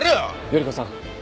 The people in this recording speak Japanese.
依子さん